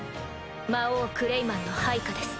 魔王クレイマンの配下です。